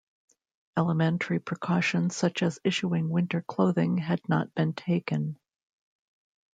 Elementary precautions such as issuing winter clothing had not been taken.